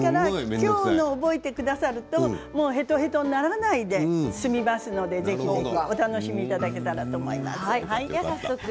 きょうのを覚えてくださるとへとへとにならないで済みますのでお楽しみにいただきたいと思います。